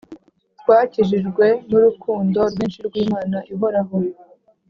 twakijijwe nu urukundo rwinshi rwi imana ihoraho